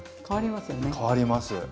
変わります。